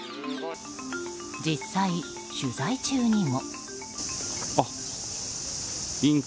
実際、取材中にも。